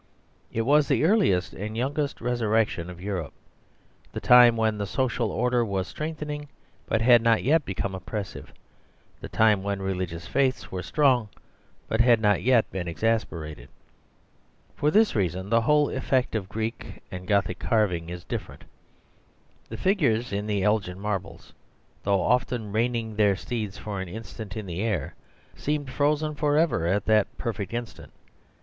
It was the earliest and youngest resurrection of Europe, the time when social order was strengthening, but had not yet become oppressive; the time when religious faiths were strong, but had not yet been exasperated. For this reason the whole effect of Greek and Gothic carving is different. The figures in the Elgin marbles, though often reining their steeds for an instant in the air, seem frozen for ever at that perfect instant.